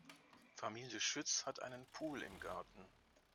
Familie Schütz hat einen Pool im Garten.